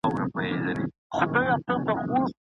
علمي سیمینار له مشورې پرته نه اعلانیږي.